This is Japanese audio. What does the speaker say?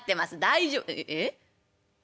大丈夫え？